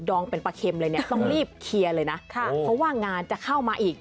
องเป็นปลาเข็มเลยเนี่ยต้องรีบเคลียร์เลยนะค่ะเพราะว่างานจะเข้ามาอีก